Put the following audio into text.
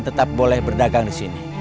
tetap boleh berdagang disini